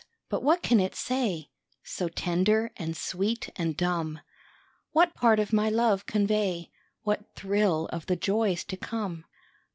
but what can it say, So tender, and sweet, and dumb; What part of my love convey, What thrill of the joys to come?